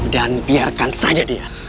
dan biarkan saja dia